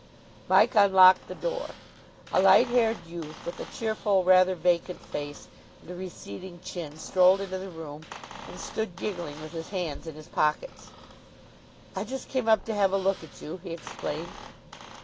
Mike unlocked the door. A light haired youth with a cheerful, rather vacant face and a receding chin strolled into the room, and stood giggling with his hands in his pockets. "I just came up to have a look at you," he explained.